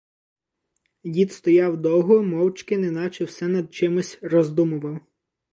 Дід стояв довго мовчки, неначе все над чимось роздумував.